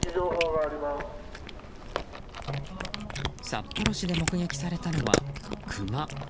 札幌市で目撃されたのはクマ。